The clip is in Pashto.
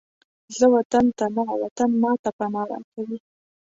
زه وطن ته نه، وطن ماته پناه راکوي